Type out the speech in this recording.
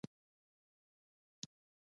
آزاد تجارت مهم دی ځکه چې نړیوال پوهاوی زیاتوي.